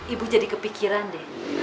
ibu jadi kepikiran deh